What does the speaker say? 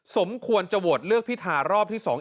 สมควรจะโหวตเลือกพิธารอบที่๒